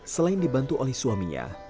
selain dibantu oleh suaminya